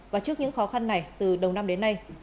và trước những khó khăn này từ đầu năm đến nay